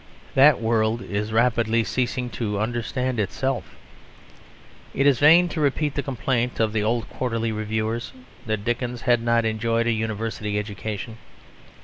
That world is rapidly ceasing to understand itself. It is vain to repeat the complaint of the old Quarterly Reviewers, that Dickens had not enjoyed a university education.